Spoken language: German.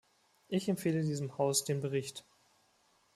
Ich empfehle diesem Haus den Bericht.